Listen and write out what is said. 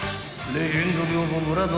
［レジェンド寮母村野